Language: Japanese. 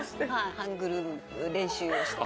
ハングル練習をして。